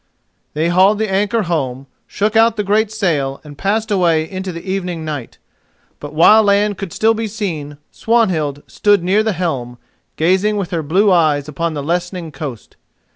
They hauled the anchor home, shook out the great sail, and passed away into the evening night. But while land could still be seen, Swanhild stood near the helm, gazing with her blue eyes upon the lessening coast.